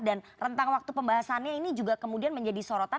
rentang waktu pembahasannya ini juga kemudian menjadi sorotan